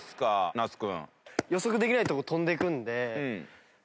那須君。